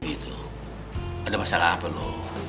be itu ada masalah apa lo